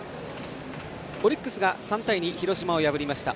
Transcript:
オリックスが３対２と広島を破りました。